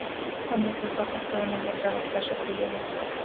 Cuando sus gafas fueron encontradas Tasha creyó lo peor.